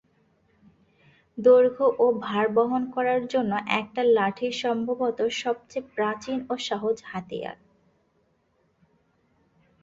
দৈর্ঘ্য ও ভার বহন করার জন্য একটা লাঠি সম্ভবত সবচেয়ে প্রাচীন ও সহজ হাতিয়ার।